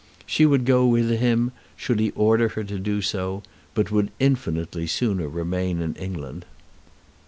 She would go with him should he order her to do so, but would infinitely sooner remain in England.